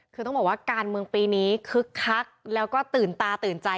คือต้องบอกว่าการเมืองปีนี้คึกคักแล้วก็ตื่นตาตื่นใจ